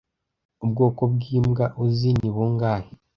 Ubwoko bwimbwa uzi ni bungahe